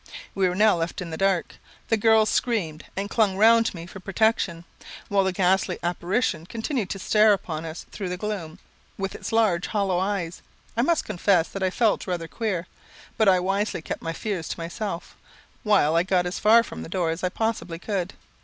We were now left in the dark. The girls screamed, and clung round me for protection, while the ghastly apparition continued to stare upon us through the gloom, with its large, hollow eyes, I must confess that I felt rather queer; but I wisely kept my fears to myself, while I got as far from the door as I possibly could.